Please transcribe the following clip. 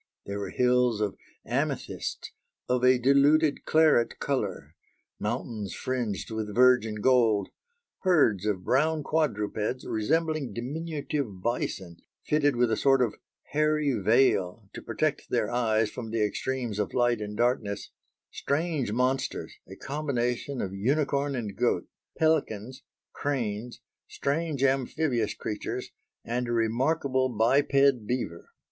There were hills of amethysts "of a diluted claret colour"; mountains fringed with virgin gold; herds of brown quadrupeds resembling diminutive bison fitted with a sort of "hairy veil" to protect their eyes from the extremes of light and darkness; strange monsters a combination of unicorn and goat; pelicans, cranes, strange amphibious creatures, and a remarkable biped beaver.